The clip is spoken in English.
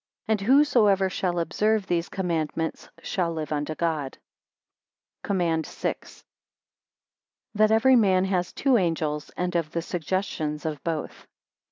And whosoever shall observe these commandments shall live unto God. COMMAND VI. That every man has two angels and of the suggestions of both.